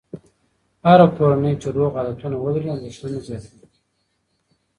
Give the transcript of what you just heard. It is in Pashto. هره کورنۍ چې روغ عادتونه ولري، اندېښنه نه زیاتېږي.